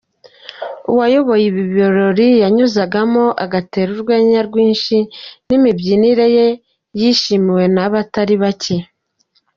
Uwayoboye ibi birori yanyuzagamo agatera urwenya rwinshi n'imibyinire ye yishimiwe n'abatari bake.